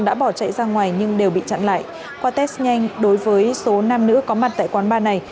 đã bỏ chạy ra ngoài nhưng đều bị chặn lại qua test nhanh đối với số nam nữ có mặt tại quán bar này